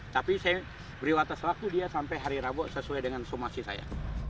tapi saya beri waktu selaku dia sampai hari rabu sesuai dengan sumasi saya